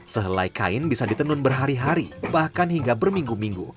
sehelai kain bisa ditenun berhari hari bahkan hingga berminggu minggu